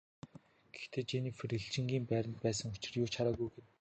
Гэхдээ Женнифер элчингийн байранд байсан учир юу ч хараагүй гэнэ.